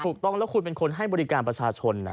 ถูกต้องแล้วคุณเป็นคนให้บริการประชาชน